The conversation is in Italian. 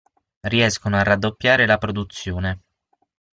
Riescono a raddoppiare la produzione.